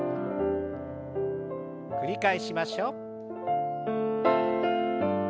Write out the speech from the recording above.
繰り返しましょう。